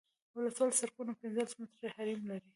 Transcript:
ولسوالي سرکونه پنځلس متره حریم لري